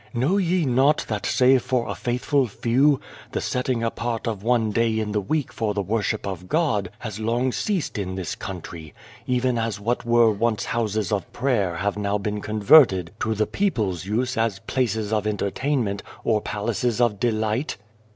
" Know ye not that save for a faithful few, the setting apart of one day in the week for the worship of God has long ceased in this country, even as what were once Houses of Prayer have now been converted to the people's use as Places of Entertainment or Palaces of Delight